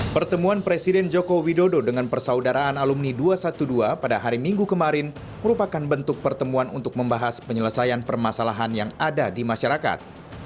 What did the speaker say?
pertemuan presiden joko widodo dengan persaudaraan alumni dua ratus dua belas pada hari minggu kemarin merupakan bentuk pertemuan untuk membahas penyelesaian permasalahan yang ada di masyarakat